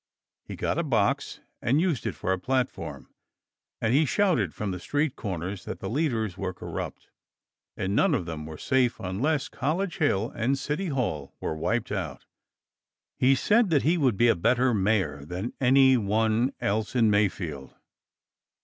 He got a box, and used it for a platform, and he shouted from the street corners that the leaders were corrupt, and none of them were safe unless College Hill and City Hall were wiped out. He said that he would be a better mayor than anyone else in Mayfield.